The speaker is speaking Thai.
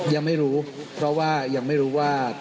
ยังไม่รู้เพราะว่ายังไม่รู้ว่า